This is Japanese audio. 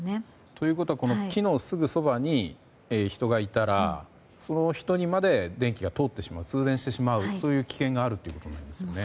ということは木のすぐそばに人がいたらその人にまで電気が通ってしまう通電してしまう危険があるということですね。